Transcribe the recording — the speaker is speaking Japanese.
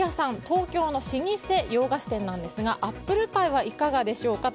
東京の老舗洋菓子店なんですがアップルパイはいかがでしょうか？